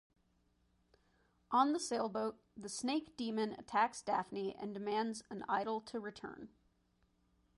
On the sailboat, the snake demon attacks Daphne and demands an idol to return.